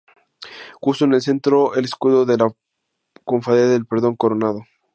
Justo en el centro, el escudo de la cofradía del Perdón, coronado.